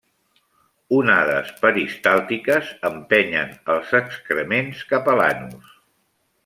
Onades peristàltiques empenyen els excrements cap a l'anus.